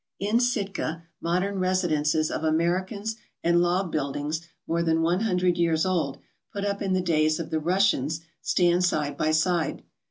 In Sitka modern residences of Americans and log build ings more than one hundred years old, put up in the days of the Russians, stand side by side.